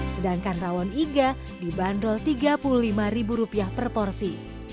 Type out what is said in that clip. sedangkan rawon iga dibanderol rp tiga puluh lima per porsi